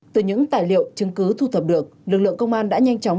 từ những tài liệu chứng cứ thu thập được lực lượng công an đã nhanh chóng